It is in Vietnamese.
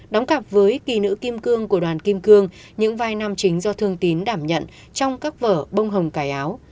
đóng cặp với kỳ nữ kim cương của đoàn kim cương những vai nam chính do thương tín đảm nhận trong các vở bông hồng cài áo